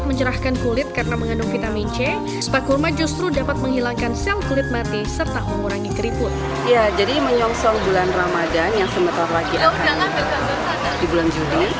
memberikan treatment spa dengan menggunakan bahan dasar kurma